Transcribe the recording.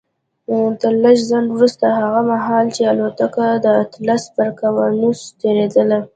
تر لږ ځنډ وروسته هغه مهال چې الوتکه د اطلس پر اقيانوس تېرېدله.